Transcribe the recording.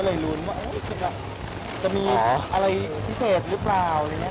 ก็เลยรู้จะมีอะไรทิเศษหรือปเปล่า